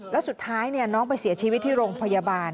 แล้วสุดท้ายน้องไปเสียชีวิตที่โรงพยาบาล